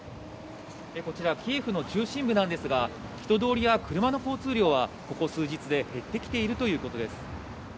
こちら、キエフの中心部なんですが、人通りや車の交通量は、ここ数日で減ってきているということです。